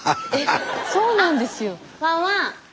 そうなんですよ。